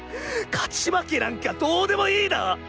勝ち負けなんかどうでもいいだぁ？